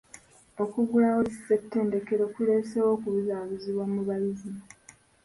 Okuggulawo zi ssettendekero kureeseewo okubuzaabuzibwa mu bayizi.